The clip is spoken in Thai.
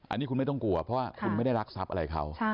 อันนี้คุณไม่ต้องกลัวเพราะว่าคุณไม่ได้รักทรัพย์อะไรเขา